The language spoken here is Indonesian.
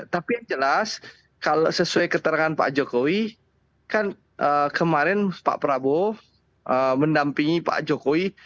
tapi yang jelas kalau sesuai keterangan pak jokowi kan kemarin pak prabowo mendampingi pak jokowi